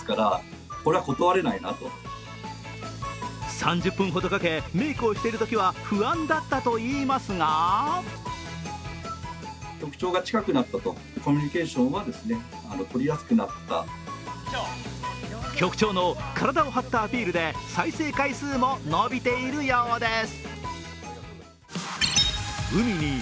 ３０分ほどかけメイクをしているときは、不安だったといいますが局長の体を張ったアピールで再生回数も伸びているようです。